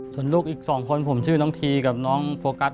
ส่วนลูกอีก๒คนผมชื่อน้องทีกับน้องโฟกัส